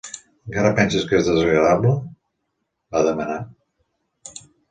""Encara penses que és desagradable?", va demanar."